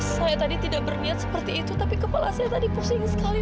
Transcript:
saya tadi tidak berniat seperti itu tapi kepala saya tadi pusing sekali